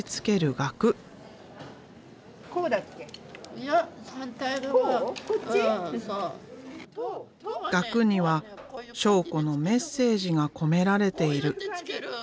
額には章子のメッセージが込められている。